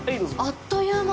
あっという間。